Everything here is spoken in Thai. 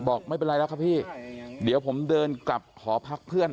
บอกไม่เป็นไรแล้วครับพี่เดี๋ยวผมเดินกลับหอพักเพื่อน